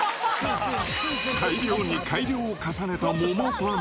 改良に改良を重ねた桃パン。